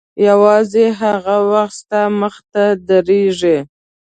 یوازې هغه وخت ستا مخته درېږي.